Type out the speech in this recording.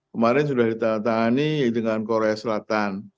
kemarin sudah ditandatangani dengan korea selatan